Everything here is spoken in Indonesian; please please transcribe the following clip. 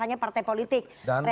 hanya partai politik